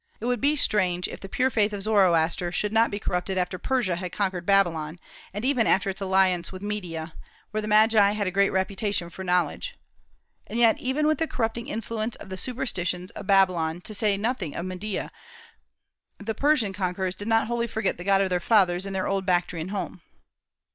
It would be strange if the pure faith of Zoroaster should not be corrupted after Persia had conquered Babylon, and even after its alliance with Media, where the Magi had great reputation for knowledge. And yet even with the corrupting influence of the superstitions of Babylon, to say nothing of Media, the Persian conquerors did not wholly forget the God of their fathers in their old Bactrian home.